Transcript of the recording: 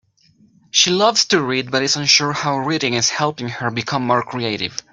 She loves to read, but is unsure how reading is helping her become more creative.